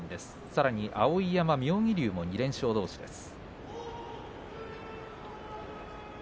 さらに碧山妙義龍も２連勝どうしです。